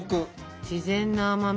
自然な甘み。